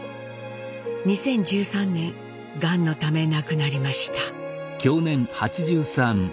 ２０１３年がんのため亡くなりました。